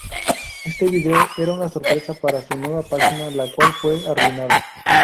Este video era una sorpresa para su nueva página, la cual fue arruinada.